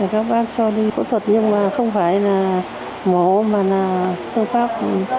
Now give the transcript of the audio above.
các bác cho đi phẫu thuật nhưng mà không phải là mổ mà là phương pháp